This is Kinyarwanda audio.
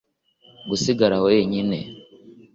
Gusigara wenyine